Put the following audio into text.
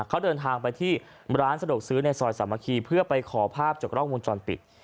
เขาเดินทางไปที่ร้านสะดวกซื้อในซอยสามัคคีเพื่อไปขอภาพจากกล้องวงจรปิด